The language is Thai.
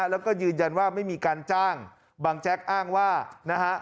แล้วก็ยืนยันว่าไม่มีการจ้างบังแจ๊กอ้างว่านะฮะ